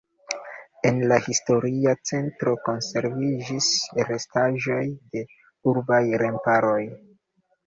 En la historia centro konserviĝis restaĵoj de urbaj remparoj.